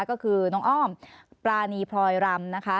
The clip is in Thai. ก็คือน้องอ้อมปรานีพลอยรำนะคะ